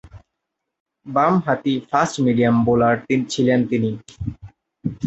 বামহাতি fast medium bowler ছিলেন তিনি।